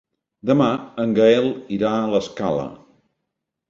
Demà en Gaël irà a l'Escala.